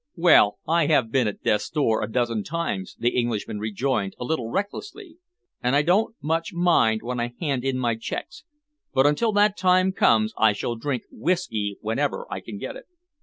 "Well, I have been at death's door a dozen times," the Englishman rejoined a little recklessly, "and I don't much mind when I hand in my checks, but until that time comes I shall drink whisky whenever I can get it."